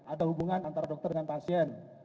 ada hubungan antara dokter dengan pasien